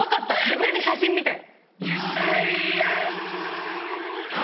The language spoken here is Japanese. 自分で写真見て。